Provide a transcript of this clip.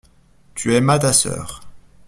Tu aimas ta sœur.